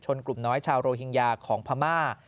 กลุ่มน้อยชาวโรฮิงญาของพม่า